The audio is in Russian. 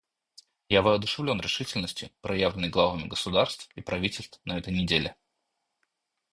Я воодушевлен решительностью, проявленной главами государств и правительств на этой неделе.